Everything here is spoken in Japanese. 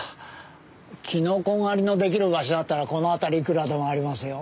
キノコ狩りの出来る場所だったらこの辺りいくらでもありますよ。